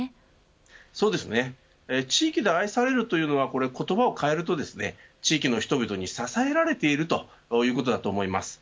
地域で愛されるというのは言葉を変えると地域の人たちに支えられているということだと思います。